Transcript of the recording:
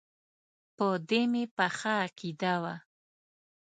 په دې مې پخه عقیده وه.